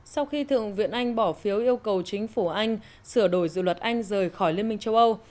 sau khi thượng viện anh bỏ phiếu yêu cầu chính phủ anh sửa đổi dự luật anh rời khỏi liên minh châu âu